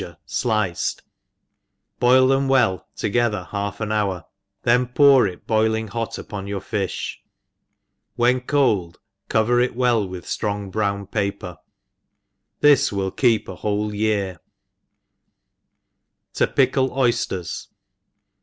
r* fliced, boil them well together half an hour^ then pour it boiling hot upon your fifh, whcii cold cover it wqII with ftrong brown papcr^ ^ This win keep a whole year, \ To pickle Oysters.